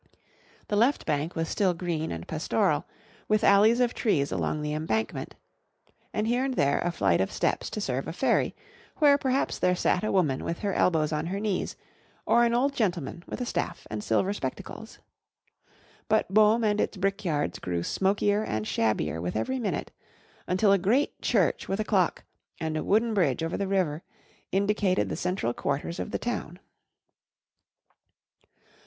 The left bank was still green and pastoral, with alleys of trees along the embankment, and here and there a flight of steps to serve a ferry, where perhaps there sat a woman with her elbows on her knees, or an old gentleman with a staff and silver spectacles. But Boom and its brickyards grew smokier and shabbier with every minute; until a great church with a clock, and a wooden bridge over the river, indicated the central quarters of the town.